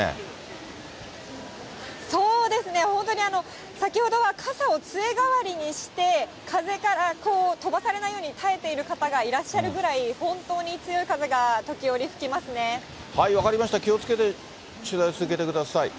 そうですね、本当に先ほどは傘をつえ代わりにして、風から飛ばされないように耐えている方がいらっしゃるぐらい、分かりました、気をつけて取材を続けてください。